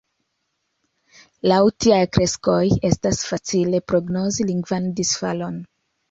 Laŭ tiaj kreskoj estas facile prognozi lingvan disfalon.